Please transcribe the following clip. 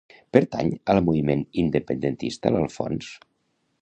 Pertany al moviment independentista l'Alfons?